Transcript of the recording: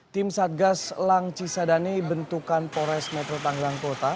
tim satgas lang cisadane bentukan pores metro tangerang kota